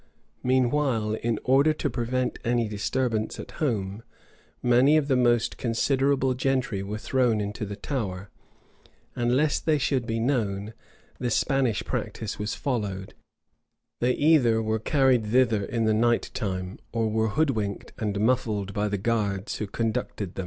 Meanwhile, in order to prevent any disturbance at home, many of the most considerable gentry were thrown into the Tower; and lest they should be known, the Spanish practice was followed: they either were carried thither in the night time, or were hoodwinked and muffled by the guards who conducted them.